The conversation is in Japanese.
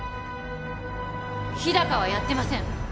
日高はやってません！